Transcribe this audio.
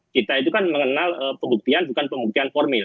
kita itu kan mengenal pembuktian bukan pembuktian formil